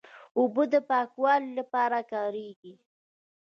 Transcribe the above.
اوبه د پاکوالي لپاره کارېږي.